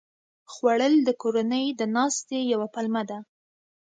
خوړل د کورنۍ د ناستې یوه پلمه ده